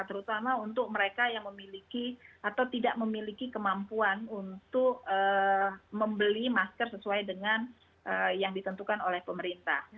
terutama untuk mereka yang memiliki atau tidak memiliki kemampuan untuk membeli masker sesuai dengan yang ditentukan oleh pemerintah